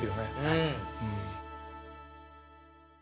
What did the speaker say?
うん。